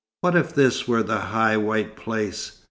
What if this were the high white place?